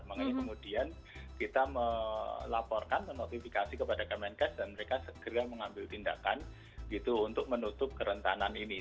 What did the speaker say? makanya kemudian kita melaporkan menotifikasi kepada kemenkes dan mereka segera mengambil tindakan gitu untuk menutup kerentanan ini